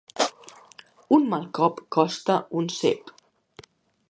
Un mal cop costa un cep.